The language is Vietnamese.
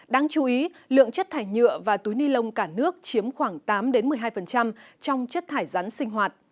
đáng chú ý lượng chất thải nhựa và túi ni lông cả nước chiếm khoảng tám một mươi hai trong chất thải rắn sinh hoạt